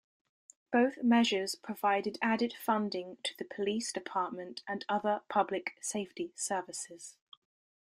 Both measures provide added funding to the police department and other public safety services.